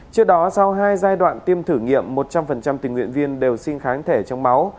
trước đó sau hai giai đoạn tiêm thử nghiệm một trăm linh tình nguyện viên đều xin kháng thể trong máu